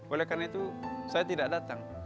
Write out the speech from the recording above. oleh karena itu saya tidak datang